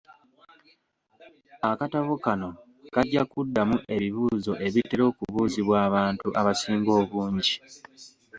Akatabo kano kajja kuddamu ebibuuzo ebitera okubuuzibwa abantu abasinga obungi.